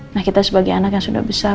nah kita sebagai anak yang sudah besar